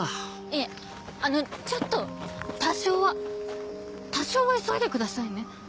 いえあのちょっと多少は多少は急いでくださいね！